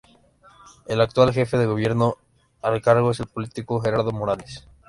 El actual jefe de gobierno al cargo es el político Gerardo Morales.